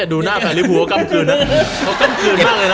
ดูหน้าแฝลิฟหัวกล้ำกลืนนะ